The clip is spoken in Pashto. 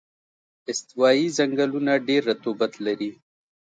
استوایي ځنګلونه ډېر رطوبت لري.